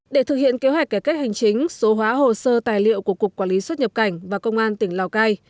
để thực hiện kế hoạch cải cách hành chính số hóa hồ sơ tài liệu của cục quản lý xuất nhập cảnh và công an tỉnh lào cai